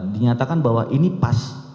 dinyatakan bahwa ini pas